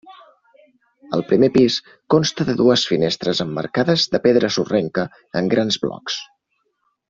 El primer pis consta de dues finestres emmarcades de pedra sorrenca en grans blocs.